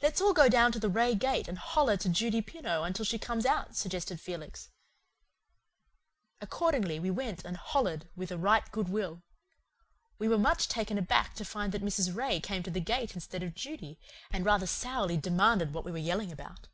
"Let's all go down to the Ray gate and holler to Judy Pineau till she comes out," suggested Felix. Accordingly, we went and "hollered," with a right good will. We were much taken aback to find that Mrs. Ray came to the gate instead of Judy, and rather sourly demanded what we were yelling about.